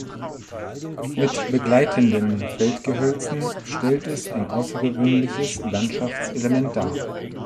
Mit begleitenden Feldgehölzen stellt es ein außergewöhnliches Landschaftselement da.